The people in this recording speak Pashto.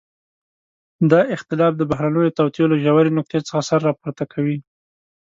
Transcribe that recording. دا اختلاف د بهرنيو توطئو له ژورې نقطې څخه سر راپورته کوي.